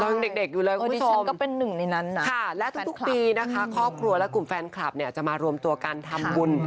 เรายังเด็กอยู่เลยคุณผู้ชมค่ะและทุกปีนะคะครอบครัวและกลุ่มแฟนคลับเนี่ยจะมารวมตัวกันทำบุญ